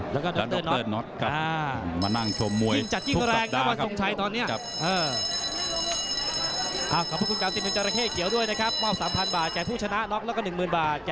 แล้วก็ลี่สุนชาย